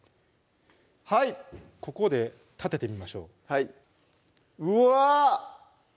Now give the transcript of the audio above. はいここで立ててみましょうはいうわっ！